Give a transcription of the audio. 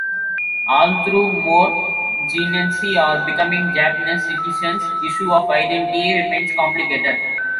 Although more Zainichi are becoming Japanese citizens, issues of identity remain complicated.